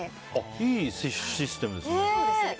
いいシステムですね。